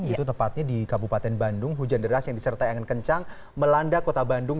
itu tepatnya di kabupaten bandung hujan deras yang disertai angin kencang melanda kota bandung